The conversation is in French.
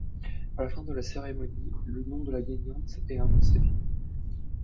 À la fin de la cérémonie, le nom de la gagnante est annoncé.